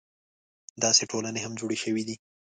داسې ټولنې هم جوړې شوې دي.